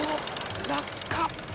落下！